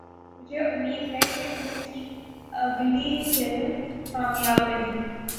مجھے امید ہے کہ ان کی اگلی فلم کامیاب رہی